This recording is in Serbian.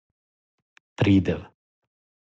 придев